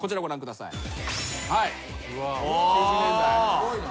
すごいな。